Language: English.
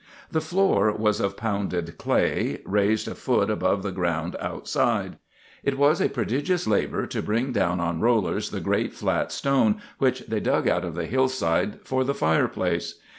The floor was of pounded clay, raised a foot above the ground outside. It was a prodigious labor to bring down on rollers the great flat stone which they dug out of the hillside for the fireplace.